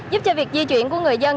giúp cho việc di chuyển của người dân